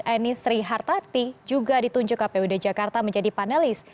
eni sri hartati juga ditunjuk kpud jakarta menjadi panelis